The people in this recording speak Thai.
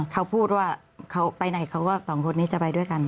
เขาพูดว่าเขาไปไหนเขาก็สองคนนี้จะไปด้วยกัน